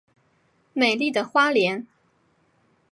美丽的花莲